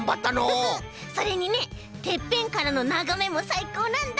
それにねてっぺんからのながめもさいこうなんだ！